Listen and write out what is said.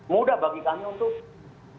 mudah bagi kami untuk